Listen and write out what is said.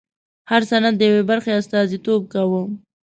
هر سند د یوې برخې استازیتوب کاوه.